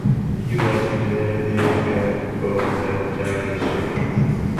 He was general director of the Germanisches Nationalmuseum in Nuremberg.